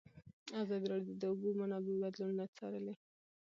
ازادي راډیو د د اوبو منابع بدلونونه څارلي.